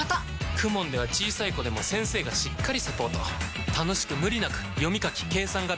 ＫＵＭＯＮ では小さい子でも先生がしっかりサポート楽しく無理なく読み書き計算が身につきます！